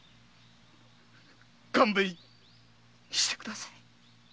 勘弁して下さい。